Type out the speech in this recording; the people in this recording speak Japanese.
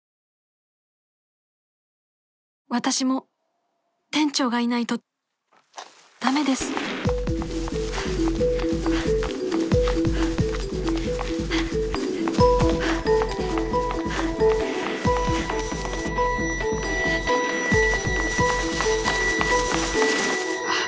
私も店長がいないとダメですあっ。